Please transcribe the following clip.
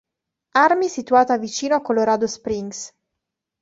Army situata vicino a Colorado Springs.